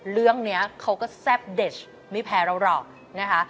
เรื่องนี้เขาก็แซ่บเด็ดไม่แพ้เราหรอกนะคะ